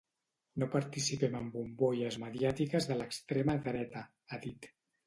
“No participem en bombolles mediàtiques de l’extrema dreta”, ha dit.